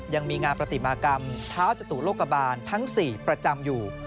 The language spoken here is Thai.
ยังมีงานปฏิมากรรมเท้าจตุโลกบาลทั้ง๔ประจำอยู่